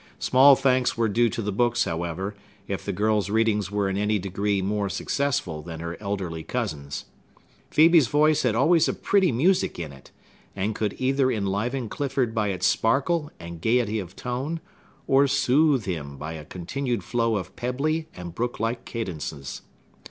Small thanks were due to the books, however, if the girl's readings were in any degree more successful than her elderly cousin's. Phœbe's voice had always a pretty music in it, and could either enliven Clifford by its sparkle and gayety of tone, or soothe him by a continued flow of pebbly and brook like cadences.